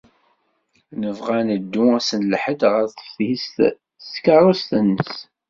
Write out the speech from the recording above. Nebɣa ad neddu ass n Lḥedd ɣer teftist, s tkeṛṛust-nnes.